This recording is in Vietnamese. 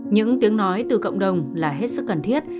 những tiếng nói từ cộng đồng là hết sức cần thiết